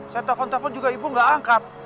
saya telepon telepon juga ibu gak angkat